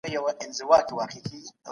موږ باید تاریخ د پېښو په توګه مطالعه کړو.